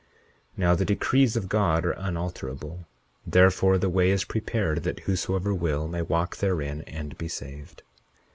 41:8 Now, the decrees of God are unalterable; therefore, the way is prepared that whosoever will may walk therein and be saved.